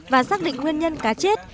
và xác định nguyên nhân cá chết